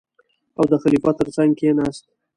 او د خلیفه تر څنګ کېناست.